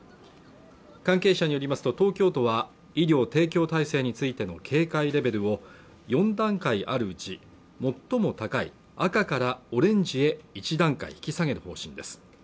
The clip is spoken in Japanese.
関係者によりますと東京都は医療提供体制についての警戒レベルを４段階あるうち最も高い赤からオレンジへ１段階引き下げる方針です